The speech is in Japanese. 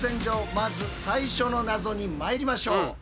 まず最初の謎にまいりましょう。